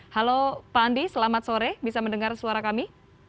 halo pak andi selamat sore bisa mendengar suara kami